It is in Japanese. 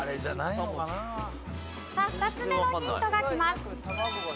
さあ２つ目のヒントがきます。